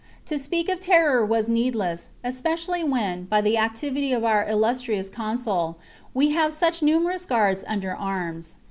To speak of terror were needless, especially when, by the activity of our illustrious consul, we have such numerous guards under arms.